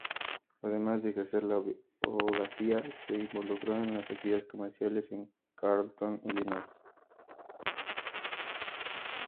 Además de ejercer la abogacía, se involucró en actividades comerciales en Carrollton, Illinois.